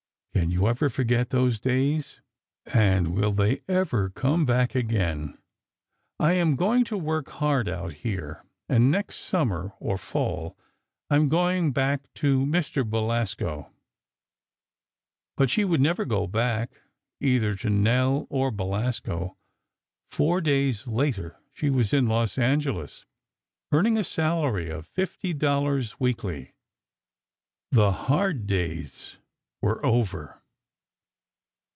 Can you ever forget those days, and will they ever come back again? ... I am going to work hard out there, and next summer or fall, I am going back to Mr. Belasco. But she would never go back—either to Nell, or Belasco. Four days later, she was in Los Angeles, earning a salary of fifty dollars weekly. The hard days were over.